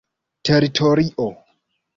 teritorio